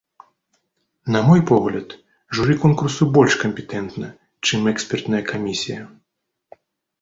На мой погляд, журы конкурсу больш кампетэнтна, чым экспертная камісія.